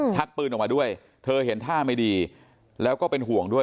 ชักปืนออกมาด้วยเธอเห็นท่าไม่ดีแล้วก็เป็นห่วงด้วย